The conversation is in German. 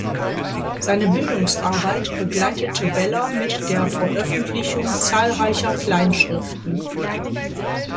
Seine Bildungsarbeit begleitete Beller mit der Veröffentlichung zahlreicher Kleinschriften.